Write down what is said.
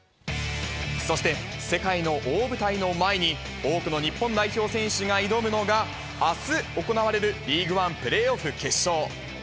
そして、世界の大舞台の前に、多くの日本代表選手が挑むのが、あす行われるリーグワンプレーオフ決勝。